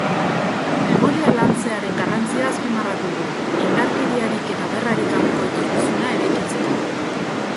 Memoria lantzearen garrantzia azpimarratu du, indarkeriarik eta gerrarik gabeko etorkizuna eraikitzeko.